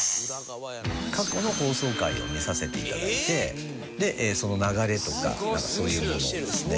過去の放送回を見させて頂いてその流れとかなんかそういうものをですね